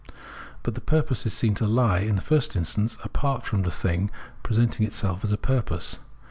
But the purpose is seen to he, in the first instance, apart from the thiug presenting itself as a purpose.